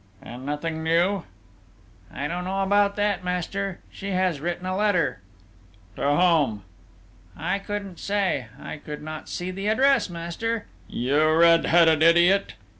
"And nothing new?..." "I don't know about that, master: she has written a letter...." "To whom?..." "I couldn't say.... I could not see the address, master...." "You red headed idiot!"